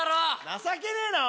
情けねえな！